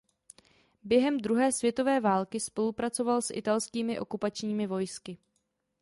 Během druhé světové války spolupracoval s italskými okupačními vojsky.